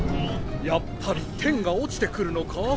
やっぱり天が落ちてくるのか？